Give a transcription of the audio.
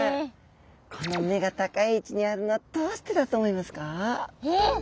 この目が高い位置にあるのどうしてだと思いますか？え！？